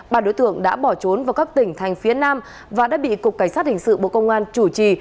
bà đối tượng đã bỏ trốn vào các tỉnh thành phía nam và đã bị cục cảnh sát hình sự bộ công an chủ trì